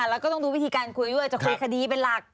แล้วก็ต้องดูวิธีการคุยด้วยจะคุยคดีเป็นหลัก